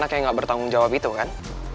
lo anak yang gak bertanggung jawab itu kan